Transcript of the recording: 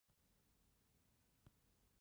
家乐径是为了一家大小而设的郊游路径。